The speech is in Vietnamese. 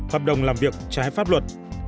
hợp đồng làm việc trái pháp luật